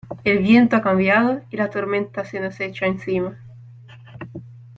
el viento ha cambiado y la tormenta se nos echa encima.